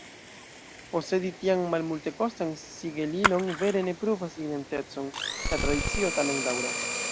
Posedi tian malmultekostan sigelilon vere ne pruvas identecon: la tradicio tamen daŭras.